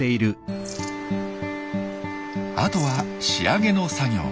あとは仕上げの作業。